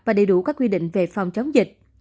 và đầy đủ các quy định về phòng chống dịch